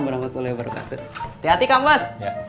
berhati hati kang bos